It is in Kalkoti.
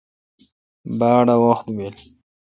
باڑ اؘ وحت بیل۔